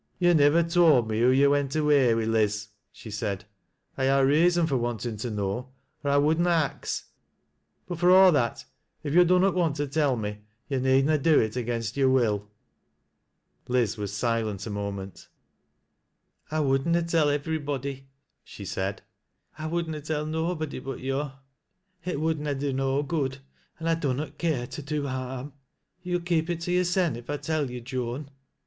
" You nivver told me who yo' went away wi', Liz," she said. " 1 ha' a reason fur wantin' to know, or 1 would na ax, but fur a' that if yo' dunnot want to tell me, yo' need na do it against yo're will." Liz was silent a moment. " I would na tell ivverybody," she said. " I would na tell nobody but yo'. It would na do no good, an' I dun not care to do harm. Yo'U keep it to yo'rsen, if I tell yo', Joan